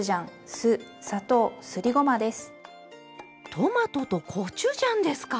トマトとコチュジャンですか？